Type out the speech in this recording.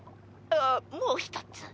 あっもう一つ。